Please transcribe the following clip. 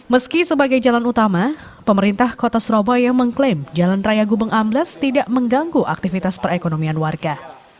meski sebagai jalan utama pemerintah kota surabaya mengklaim jalan raya gubeng ambles tidak mengganggu aktivitas perekonomian warga